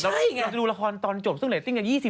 เราดูละครตอนจบซึ่งเรตติ้งอย่าง๒๐๓๐